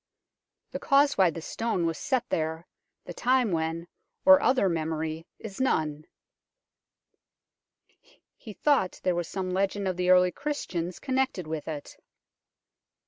The cause why this stone was set there, the time when, or other memory is none." He thought there was some legend of the early Christians connected with it.